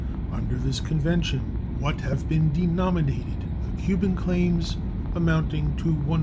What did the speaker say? Under this convention what have been denominated the "Cuban claims," amounting to $128,635.